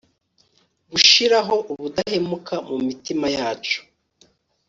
gushiraho ubudahemuka mumitima yacu